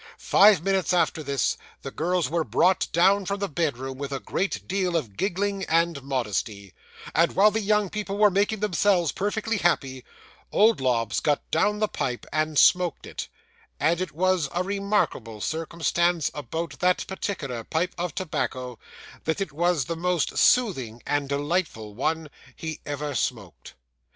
'Five minutes after this, the girls were brought down from the bedroom with a great deal of giggling and modesty; and while the young people were making themselves perfectly happy, old Lobbs got down the pipe, and smoked it; and it was a remarkable circumstance about that particular pipe of tobacco, that it was the most soothing and delightful one he ever smoked.